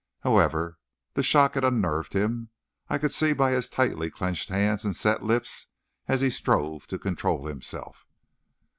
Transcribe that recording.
However, the shock had unnerved him, I could see by his tightly clenched hands and set lips, as he strove to control himself.